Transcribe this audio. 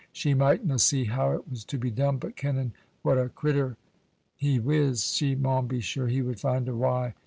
She mightna see how it was to be done, but kennin' what a crittur he is, she maun be sure he would find a wy.